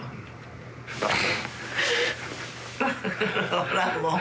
ほらもう。